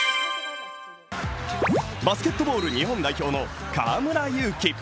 バスケットボール日本代表の河村勇輝。